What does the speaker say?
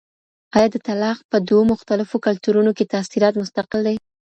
آیا د طلاق په دوو مختلفو کلتورونو کي تاثیرات مستقل دي؟